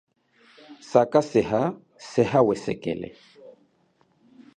Sakaseha seha wesekele.